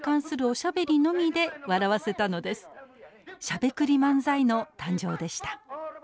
しゃべくり漫才の誕生でした。